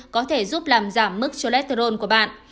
có thể giúp làm giảm mức cholesterol của bạn